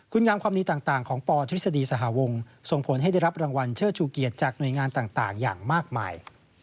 คุณงามความดีต่างของปธฤษฎีสหวงส่งผลให้ได้รับรางวัลเชิดชูเกียรติจากหน่วยงานต่างอย่างมากมาย